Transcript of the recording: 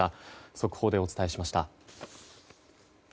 速報でお伝えしました。